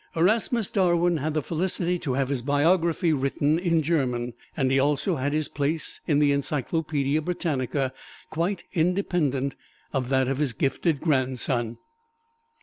Erasmus Darwin had the felicity to have his biography written in German, and he also has his place in the "Encyclopedia Britannica" quite independent of that of his gifted grandson.